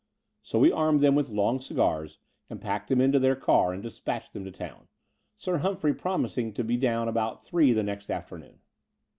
So we armed them with long cigars and packed them into their car and dispatched them to town, Sir Hum phrey promising to be down about three the next afternoon.